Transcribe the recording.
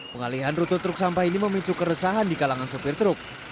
pengalihan rute truk sampah ini memicu keresahan di kalangan sopir truk